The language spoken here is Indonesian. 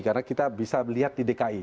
karena kita bisa lihat di dki